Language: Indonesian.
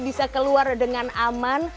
bisa keluar dengan aman